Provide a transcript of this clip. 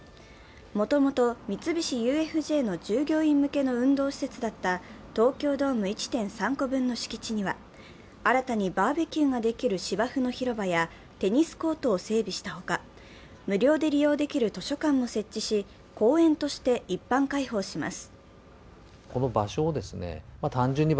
もともと三菱ＵＦＪの従業員向けの運動施設だった東京ドーム１．３個分の敷地には新たにバーベキューができる芝生の広場やテニスコートを整備したほか、無料で利用できる図書館も設置し、公園として一般開放します。